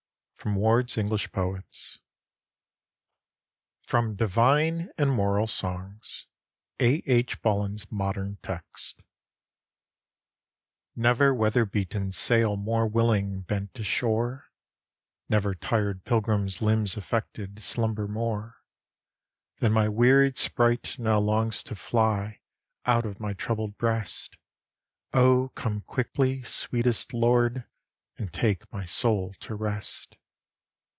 From 'Ward's English Poets' FROM 'DIVINE AND MORAL SONGS' (A. H. Bullen's modern text) Never weather beaten sail more willing bent to shore, Never tired pilgrim's limbs affected slumber more. Than my wearied sprite now longs to fly out of my troubled breast. O come quickly, sweetest Lord, and take my soul to rest!